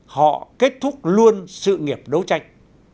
họ kết thúc luôn sự nghiệp đấu tranh